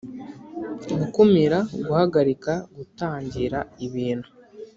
gukumira: guhagarika, gutangira. ibintu